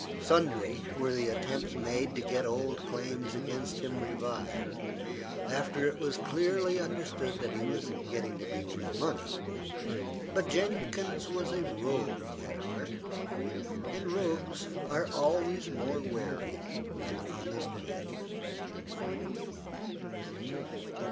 Sundry were the attempts made to get old claims against him revived, after it was clearly understood that he was getting to be worth money; but Jenkins was a rogue at heart, and rogues are always more wary than honest men.